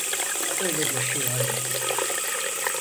Böyle bir şey olmadı.